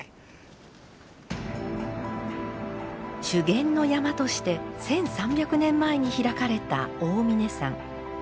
修験の山として１，３００年前に開かれた大峯山。